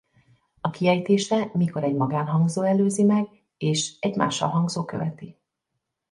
A kiejtése mikor egy magánhangzó előzi meg és egy mássalhangzó követi.